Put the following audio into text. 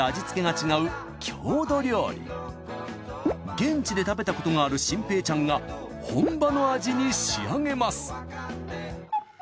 現地で食べたことがある心平ちゃんが本場の味に仕上げます！